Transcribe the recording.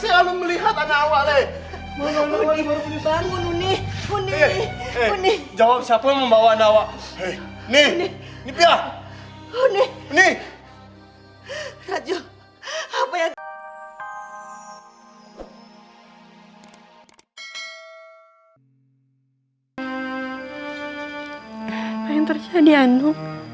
raju apa yang terjadi anu